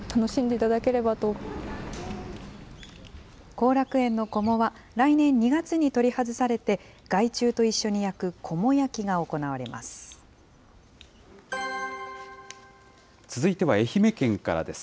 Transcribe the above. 後楽園のこもは、来年２月に取り外されて、害虫と一緒に焼くこも焼きが行われます。